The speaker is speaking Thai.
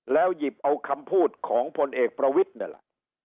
หยิบเอาคำพูดของพลเอกประวิทย์นั่นแหละ